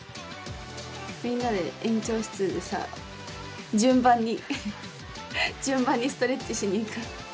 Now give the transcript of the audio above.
みんなで園長室でさ順番に順番にストレッチしにいく。